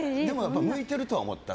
向いてるとは思った。